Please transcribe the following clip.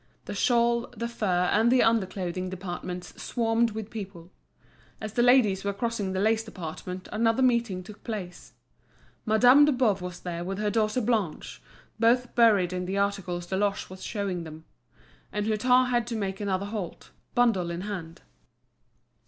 The shawl, the fur, and the under clothing departments swarmed with people. As the ladies were crossing the lace department another meeting took place. Madame de Boves was there with her daughter Blanche, both buried in the articles Deloche was showing them. And Hutin had to make another halt, bundle in hand.